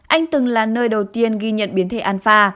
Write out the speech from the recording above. anh từng là nơi đầu tiên ghi nhận biến thể anfa